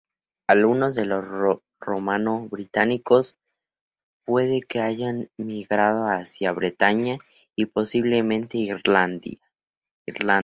Algunos de los romano-británicos puede que hayan migrado hacia Bretaña y posiblemente Irlanda.